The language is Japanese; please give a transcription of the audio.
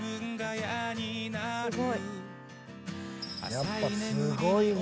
やっぱすごいね。